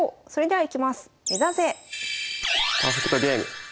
はい。